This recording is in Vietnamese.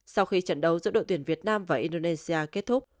sau khi trận đấu giữa đội tuyển việt nam và indonesia kết thúc